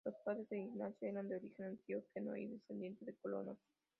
Los padres de Ignacio eran de origen antioqueño y descendientes de colonos.